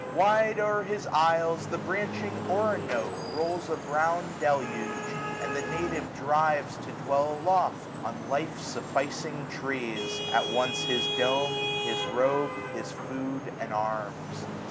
Wide o'er his isles, the branching Oronoque Rolls a brown deluge ; and the native drives 835 To dwell aloft on life sufEcing trees ; At once his dome, his robe, his food, and arms.